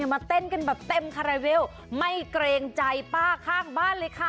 มาเต้นกันแบบเต็มคาราเวลไม่เกรงใจป้าข้างบ้านเลยค่ะ